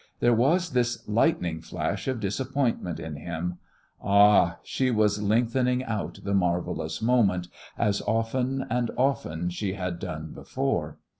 There was this lightning flash of disappointment in him. Ah, she was lengthening out the marvellous moment, as often and often she had done before.